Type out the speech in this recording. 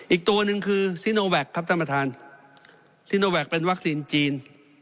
อีกตัวหนึ่งคือครับท่านประธานเป็นวัคซีนจีน